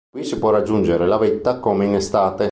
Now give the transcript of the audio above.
Da qui si può raggiungere la vetta come in estate.